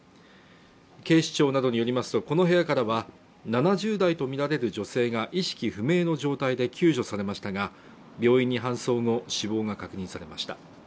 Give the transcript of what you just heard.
警視庁などによりますとこの部屋からは７０代とみられる女性が意識不明の状態で救助されましたが、病院に搬送後、死亡が確認されました。